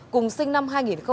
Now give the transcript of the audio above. cùng sinh năm hai nghìn chín